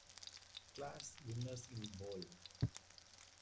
Class winners in bold.